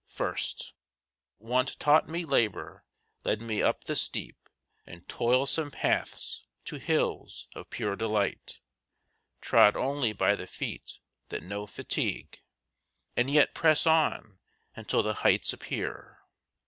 First, Want taught me labour, led me up the steep And toilsome paths to hills of pure delight, Trod only by the feet that know fatigue, And yet press on until the heights appear.